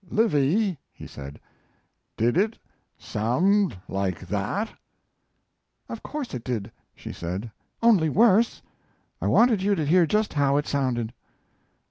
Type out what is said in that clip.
"Livy," he said, "did it sound like that?" "Of course it did," she said, "only worse. I wanted you to hear just how it sounded."